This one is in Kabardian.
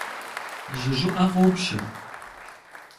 Жьы щӀыӀэ къопщэ.